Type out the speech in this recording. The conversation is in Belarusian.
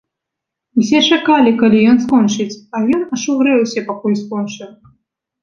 Усе чакалі, калі ён скончыць, а ён аж угрэўся, пакуль скончыў.